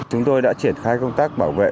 chúng tôi đã triển khai công tác bảo vệ